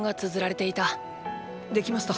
できました。